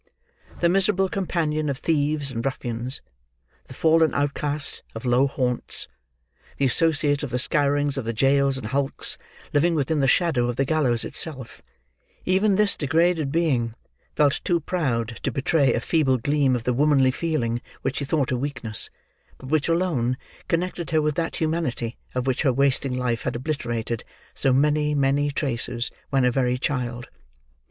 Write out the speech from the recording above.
The miserable companion of thieves and ruffians, the fallen outcast of low haunts, the associate of the scourings of the jails and hulks, living within the shadow of the gallows itself,—even this degraded being felt too proud to betray a feeble gleam of the womanly feeling which she thought a weakness, but which alone connected her with that humanity, of which her wasting life had obliterated so many, many traces when a very child.